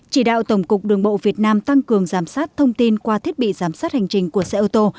chỉ đạo tổng cục đường bộ việt nam tăng cường giám sát thông tin qua thiết bị giám sát hành trình của xe ô tô